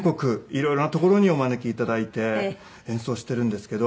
色々な所にお招き頂いて演奏してるんですけど。